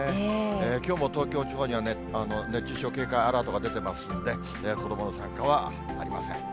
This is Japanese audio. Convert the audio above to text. きょうも東京地方には、熱中症警戒アラートが出てますんで、子どもの参加はありません。